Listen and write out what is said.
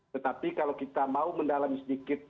tetapi kalau kita mau mendalami sedikit